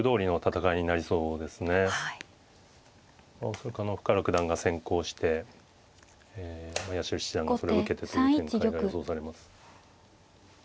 恐らく深浦九段が先攻して八代七段がそれを受けてという展開が予想されます。